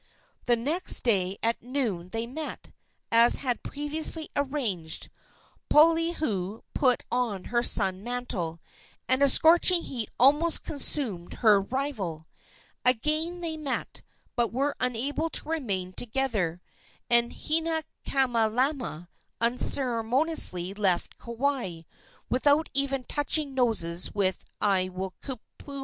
The next day at noon they met, as had been previously arranged. Poliahu put on her sun mantle, and a scorching heat almost consumed her rival. Again they met, but were unable to remain together, and Hinaikamalama unceremoniously left Kauai, without even touching noses with Aiwohikupua.